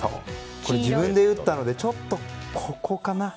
これ、自分で縫ったのでちょっと、ここかな。